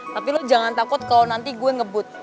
tapi lu jangan takut kalau nanti gue ngebut